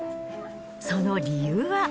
その理由は。